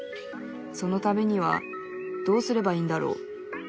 そのためにはどうすればいいんだろう。